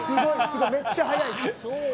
めっちゃ速いっす。